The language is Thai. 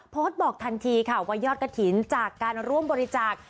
บอกทันทีค่ะว่ายอดกระถิ่นจากการร่วมบริจาค